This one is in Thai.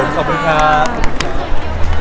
ครับผมขอบคุณครับ